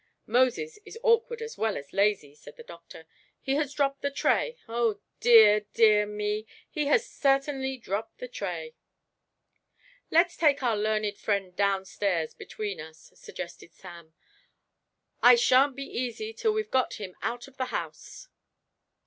"Moses is awkward as well as lazy," said the doctor. "He has dropped the tray! Oh, dear, dear me! he has certainly dropped the tray." "Let's take our learned friend downstairs between us," suggested Sam. "I shan't be easy till we've got him out of the house."